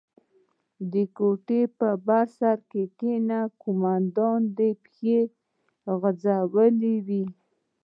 د کوټې په بر سر کښې قومندان پښې غځولې وې.